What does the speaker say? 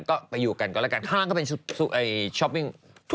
ก็ไปอยู่กันก่อนแล้วกันห้างก็เป็นช้อปปิ้ง